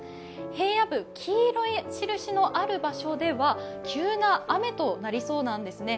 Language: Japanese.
平野部、黄色い印のある場所では、急な雨となりそうなんですね。